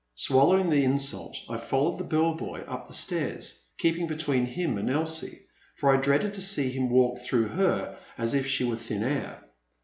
Swallowing the insult I followed the bell boy up the stairs, keeping between him and Elsie, for I dreaded to see him walk through her as if she were thin air.